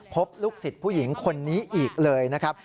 พบลูกศิษย์ผู้หญิงคนนี้อีกเลยนะครับ